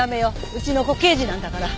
うちの子刑事なんだから。